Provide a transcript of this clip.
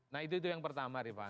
nah itu yang pertama rifana